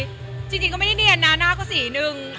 ไปแล้วจริงก็ไม่ได้เนียนหน้าก็สีหนึ่ง